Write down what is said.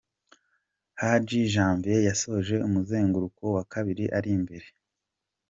h': Hadi Janvier yasoje umuzenguruko wa kabiri ari imbere.